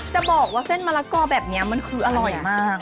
จะบอกว่าเส้นมะละกอแบบนี้มันคืออร่อยมาก